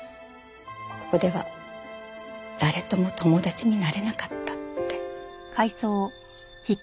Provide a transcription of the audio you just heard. ここでは誰とも友達になれなかったって。